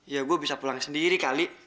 ya gue bisa pulang sendiri kali